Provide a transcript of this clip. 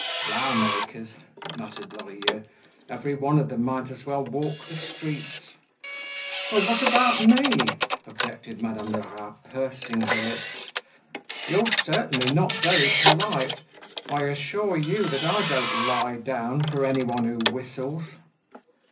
"Flower makers?" muttered Lorilleux. "Every one of them might as well walk the streets." "Well, what about me?" objected Madame Lerat, pursing her lips. "You're certainly not very polite. I assure you that I don't lie down for anyone who whistles."